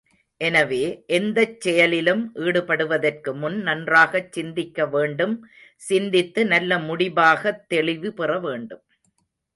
எனவே, எந்தச் செயலிலும் ஈடுபடுவதற்கு முன், நன்றாகச் சிந்திக்க வேண்டும் சிந்தித்து நல்ல முடிபாகத் தெளிவு பெறவேண்டும்.